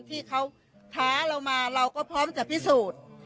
ที่เขาท้าเรามาเราก็พร้อมจะพิสูจน์